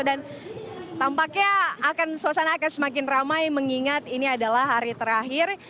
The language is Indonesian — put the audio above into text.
dan tampaknya suasana akan semakin ramai mengingat ini adalah hari terakhir